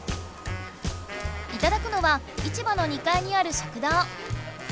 いただくのは市場の２かいにある食堂。